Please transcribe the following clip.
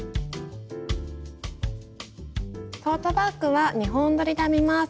トートバッグは２本どりで編みます。